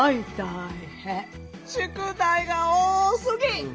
宿題が多すぎ！